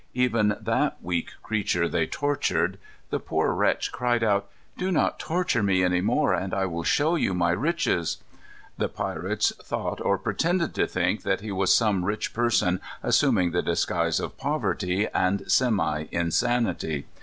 Even that weak creature they tortured. The poor wretch cried out: "Do not torture me any more, and I will show you my riches." The pirates thought, or pretended to think, that he was some rich person assuming the disguise of poverty and semi insanity.